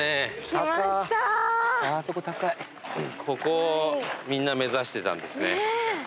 ここをみんな目指してたんですね。